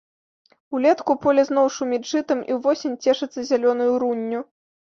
Улетку поле зноў шуміць жытам і ўвосень цешыцца зялёнаю рунню.